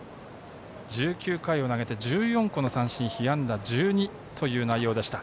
１９回を投げて１４個の三振、被安打１２という内容でした。